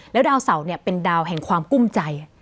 แล้วดาวเสาเนี่ยเป็นดาวแห่งความกุ้มใจ